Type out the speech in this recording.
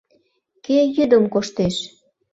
— Кӧ йӱдым коштеш?